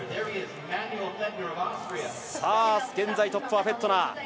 現在トップはフェットナー。